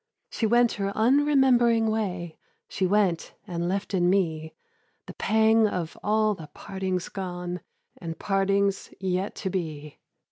She went her unremembering way, She went, and left in me The pang of all the partings gone, And partings yet to be.